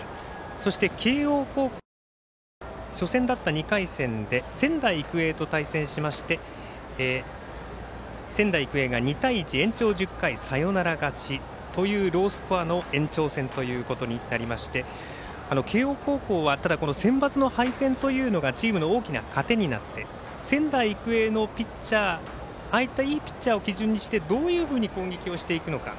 そして慶応高校は初戦だった２回戦で仙台育英と対戦しまして仙台育英が２対１延長１０回サヨナラ勝ちというロースコアの延長戦ということになりまして慶応高校はセンバツの敗戦がチームの大きな糧になって仙台育英のピッチャーああいったいいピッチャーを参考にしてどういうふうに攻撃をしていくのか。